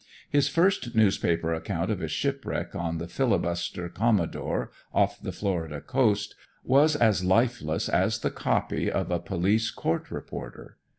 His first newspaper account of his shipwreck on the filibuster "Commodore" off the Florida coast was as lifeless as the "copy" of a police court reporter.